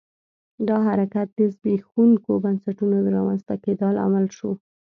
دا حرکت د زبېښونکو بنسټونو د رامنځته کېدا لامل شو.